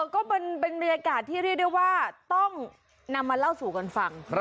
ก็เป็นบรรยากาศที่เรียกได้ว่าต้องนำมาเล่าสู่กันฟัง